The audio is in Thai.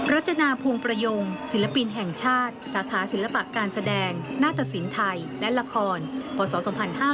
จนาพวงประยงศิลปินแห่งชาติสาขาศิลปะการแสดงหน้าตะสินไทยและละครพศ๒๕๕๙